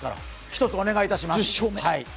ひとつお願いいたします。